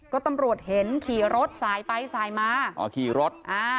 ก็ตำรวจเห็นขี่รถสายไปสายมาอ๋อขี่รถอ่า